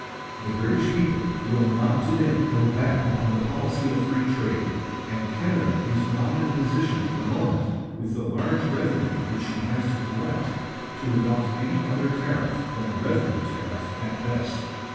The British people will not to day go back upon the policy of free trade, and Canada is not in a position at the moment, with the large revenue which she has to collect, to adopt any other tariff than a revenue tariff at best.'